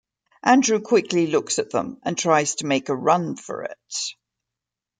Andrew quickly looks at them and tries to make a run for it.